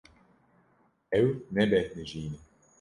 Ew nebêhnijîne.